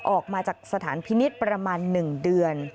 ออกมาจากสถานพินิษฐ์ประมาณ๑เดือน